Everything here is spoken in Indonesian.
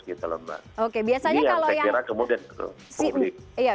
ini yang saya kira kemudian publik